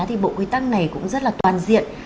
thì bộ quy tắc này cũng rất là toàn diện